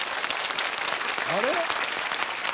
あれ？